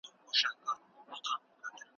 خپل ځان له هر ډول خطر وساتئ.